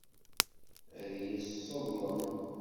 Ad iyi-tesseḍlem.